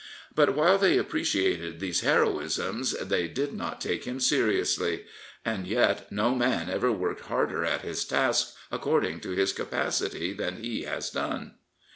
But while they appreciated these heroisms, they did not take him seriously. And yet no man ever worked harder at his task according to his capacity than he has done.